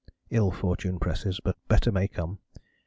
Ill fortune presses, but better may come.